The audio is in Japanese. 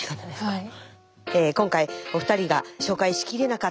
はい。